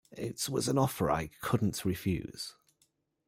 It was an offer I couldn't refuse.